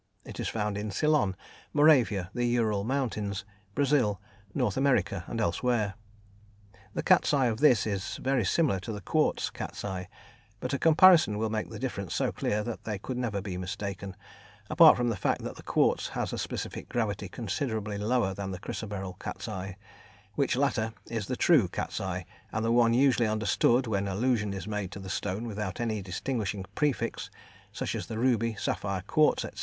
It is found in Ceylon, Moravia, the Ural Mountains, Brazil, North America, and elsewhere. The cat's eye of this is very similar to the quartz cat's eye, but a comparison will make the difference so clear that they could never be mistaken, apart from the fact that the quartz has a specific gravity considerably lower than the chrysoberyl cat's eye, which latter is the true cat's eye, and the one usually understood when allusion is made to the stone without any distinguishing prefix, such as the ruby, sapphire, quartz, etc.